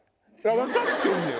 分かってんのよ！